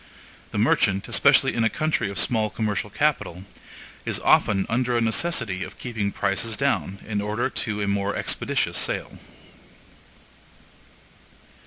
The merchant, especially in a country of small commercial capital, is often under a necessity of keeping prices down in order to a more expeditious sale.